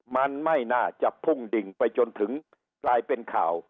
มันไม่น่าจะพุ่งดิ่งไปจนถึงกลายเป็นข่าว